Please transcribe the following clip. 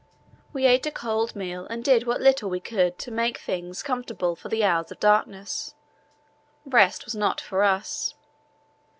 We ate a cold meal and did what little we could to make things comfortable for the hours of darkness. Rest was not for us.